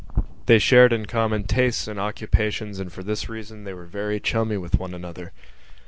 They shared in common tastes and occupations and for this reason they were very chummy with one another.